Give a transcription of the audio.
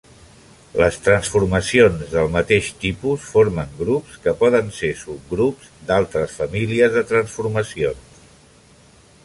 Les transformacions del mateix tipus formen grups que poden ser subgrups d'altres famílies de transformacions.